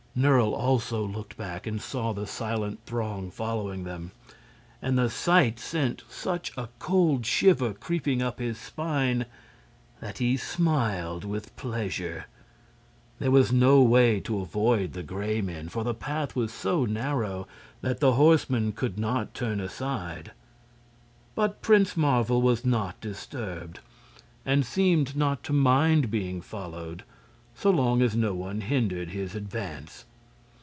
Nerle also looked back and saw the silent throng following them, and the sight sent such a cold shiver creeping up his spine that he smiled with pleasure. There was no way to avoid the Gray Men, for the path was so narrow that the horsemen could not turn aside; but Prince Marvel was not disturbed, and seemed not to mind being followed, so long as no one hindered his advance.